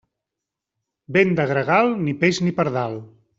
Vent de gregal, ni peix ni pardal.